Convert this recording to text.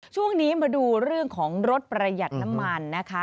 ช่วงนี้มาดูเรื่องของรถประหยัดน้ำมันนะคะ